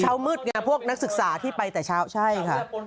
เช้ามืดไงพวกนักศึกษาที่ไปแต่เช้าใช่ค่ะ